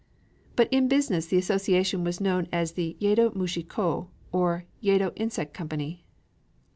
But in business the association was known as the Yedō Mushi Kō, or Yedo Insect Company.